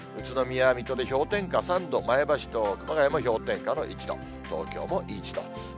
宇都宮、水戸で氷点下３度、前橋と熊谷も氷点下の１度、東京も１度。